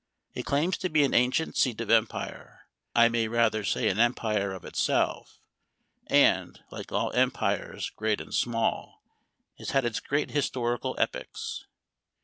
It claims to be an ancient seat of empire, I may rather say an empire of itself, and, like all empires great and small, has had its grand his torical epochs.